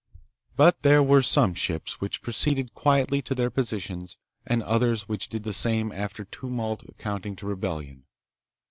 But there were some ships which proceeded quietly to their positions and others which did the same after tumult amounting to rebellion.